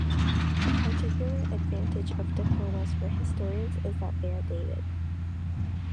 A particular advantage of diplomas for historians is that they are dated.